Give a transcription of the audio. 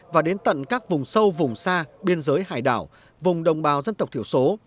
và đến tận các vùng sâu vùng xa biên giới hải đảo vùng đồng bào dân tộc thiểu số